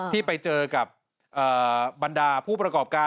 ที่ไปเจอกับบรรดาผู้ประกอบการ